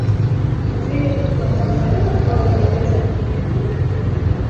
waziri mkuu wa Sultani alikuwa Mwingereza aliyepokea amri kutoka London